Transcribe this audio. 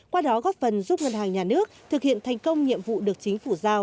qua đó góp phần giúp ngân hàng nhà nước thực hiện thành công nhiệm vụ được chính phủ giao